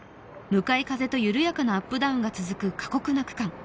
向かい風と緩やかなアップダウンが続く過酷な区間。